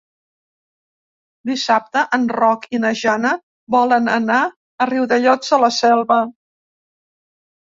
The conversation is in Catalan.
Dissabte en Roc i na Jana volen anar a Riudellots de la Selva.